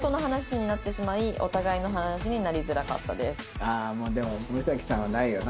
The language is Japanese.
ああもうでも森咲さんはないよな。